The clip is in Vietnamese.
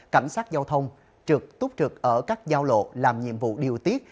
cảnh sát giao thông trực túc trực ở các giao lộ làm nhiệm vụ điều tiết